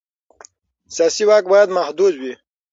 سیاسي واک باید محدود وي